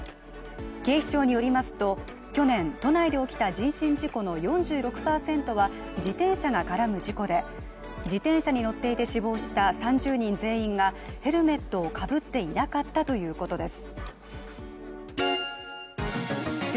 警視庁によりますと、去年都内で起きた人身事故の４６％は自転車が絡む事故で自転車に乗っていて死亡した３０人全員がヘルメットをかぶっていなかったということです。